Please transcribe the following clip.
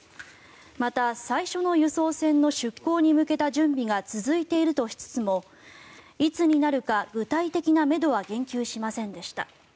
また、最初の輸送船の出港に向けた準備が続いているとしつつもいつになるか具体的なめどは言及しませんでした。